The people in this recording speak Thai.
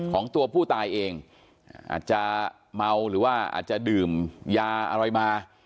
ของตัวผู้ตายเองอาจจะเมาหรือว่าอาจจะดื่มยาอะไรมา